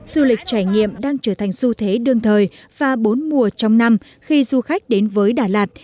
du lịch trải nghiệm đang trở thành xu thế đương thời và bốn mùa trong năm khi du khách đến với đà lạt